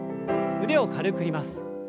腕を軽く振ります。